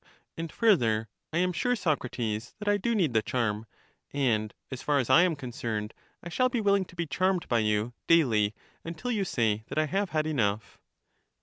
And further, I am sure, Socrates, that I do need the charm, and as far as I am concerned, I shall be willing to be charmed by you daily, until you say that I have had enough.